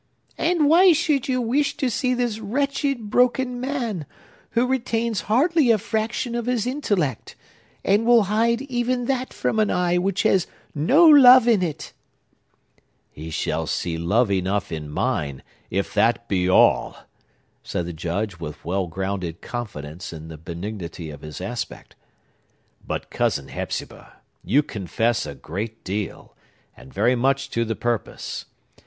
"And why should you wish to see this wretched, broken man, who retains hardly a fraction of his intellect, and will hide even that from an eye which has no love in it?" "He shall see love enough in mine, if that be all!" said the Judge, with well grounded confidence in the benignity of his aspect. "But, Cousin Hepzibah, you confess a great deal, and very much to the purpose.